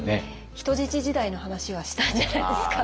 人質時代の話はしたんじゃないですか？